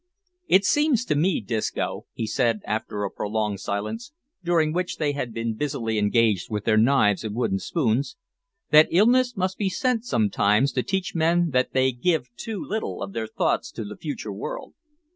"It seems to me, Disco," he said, after a prolonged silence, during which they had been busily engaged with their knives and wooden spoons, "that illness must be sent sometimes, to teach men that they give too little of their thoughts to the future world."